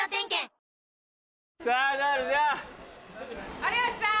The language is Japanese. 有吉さん！